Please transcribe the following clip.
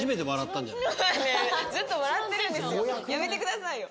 ずっと笑ってるんですよ。